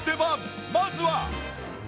まずは。